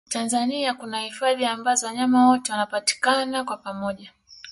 tanzania kuna hifadhi ambazo wanyama wote wanapatikana kwa pamoja